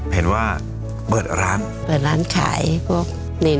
เห็นว่าเปิดร้าน